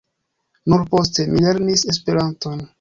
Nur poste mi lernis esperanton.